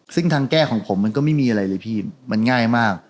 ซึ่งทางแก้ของผมมันก็ไม่มีอะไรเลยพี่มันง่ายมาก